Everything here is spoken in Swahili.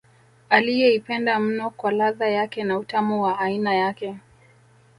Aliyeipenda mno kwa ladha yake na utamu wa aina yake